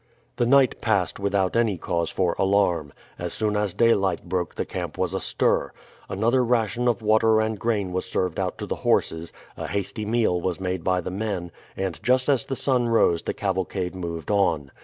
The night passed without any cause for alarm. As soon as daylight broke the camp was astir. Another ration of water and grain was served out to the horses, a hasty meal was made by the men, and just as the sun rose the cavalcade moved on.